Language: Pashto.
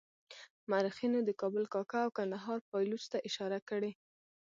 مورخینو د کابل کاکه او کندهار پایلوچ ته اشاره کړې.